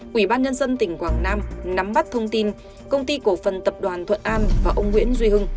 quỹ ban nhân dân tỉnh quảng nam nắm bắt thông tin công ty cổ phần tập đoàn thuận an và ông nguyễn duy hưng